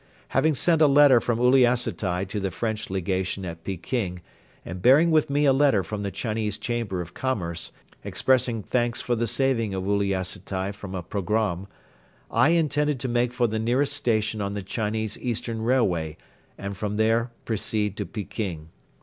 Having sent a letter from Uliassutai to the French Legation at Peking and bearing with me a letter from the Chinese Chamber of Commerce, expressing thanks for the saving of Uliassutai from a pogrom, I intended to make for the nearest station on the Chinese Eastern Railway and from there proceed to Peking.